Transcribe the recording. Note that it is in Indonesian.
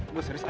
gue serius ayak